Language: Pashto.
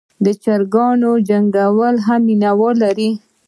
د چرګانو جنګول هم مینه وال لري.